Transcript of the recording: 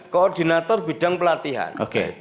koordinator bidang pelatihan